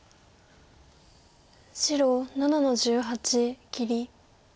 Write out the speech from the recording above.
白７の十八切り。